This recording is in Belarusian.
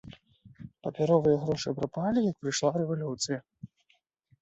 Папяровыя грошы прапалі, як прыйшла рэвалюцыя.